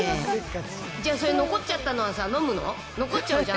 じゃあそれ、残っちゃったのは飲むの？